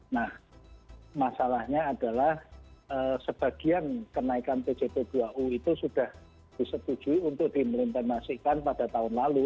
nah masalahnya adalah sebagian kenaikan pjp dua u itu sudah disetujui untuk dimelintamasikan pada tahun lalu